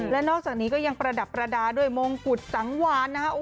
และนอกจากนี้ก็ยังประดับประดาษด้วยมงกุฎสังวานนะฮะ